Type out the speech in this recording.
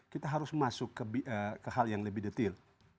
kita harus masuk ke hal yang lebih detail